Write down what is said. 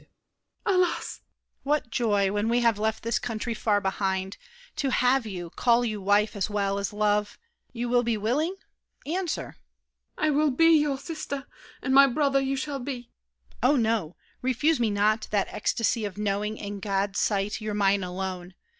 MARION (aside). Alas! DIDIER. What joy, When we have left this country far behind, To have you, call you wife as well as love! You will be willing?—answer. MARION. I will be Your sister, and my brother you shall be! DIDIER. Oh, no! Refuse me not that ecstasy Of knowing, in God's sight, you're mine alone!